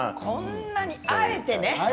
こんなにあえてね。